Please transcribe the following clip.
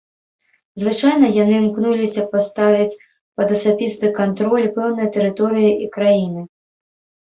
Звычайна яны імкнуліся паставіць пад асабісты кантроль пэўныя тэрыторыі і краіны.